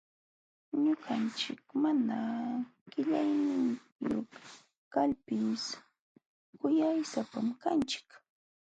Ñuqanchik mana qillayniyuq kalpis kuyaysapam kanchik.